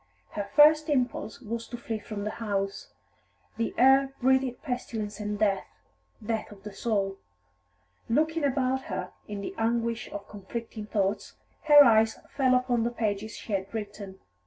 Her first impulse was to flee from the house; the air breathed pestilence and death, death of the soul. Looking about her in the anguish of conflicting thoughts, her eyes fell upon the pages she had written.